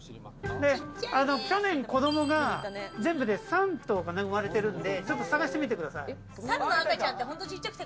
去年、子供が全部で３頭生まれてるんで探してみてください。